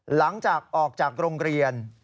หลังจากออกจากโรงเรียน